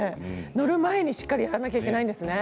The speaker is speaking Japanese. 乗る前にしっかりやらなきゃいけないんですね。